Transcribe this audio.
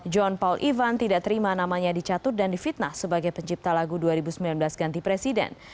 john paul ivan tidak terima namanya dicatut dan difitnah sebagai pencipta lagu dua ribu sembilan belas ganti presiden